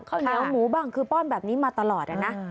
ข้าวเหนียวหมูบ้างคือป้อนแบบนี้มาตลอดนะ